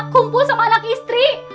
kumpul sama anak istri